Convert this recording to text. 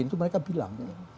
itu mereka bilang